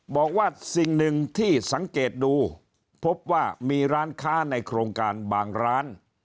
บอกว่าสิ่งหนึ่งที่สังเกตดูพบว่ามีร้านค้าในโครงการบางร้าน